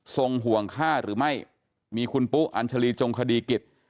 ห่วงฆ่าหรือไม่มีคุณปุ๊อัญชาลีจงคดีกิจ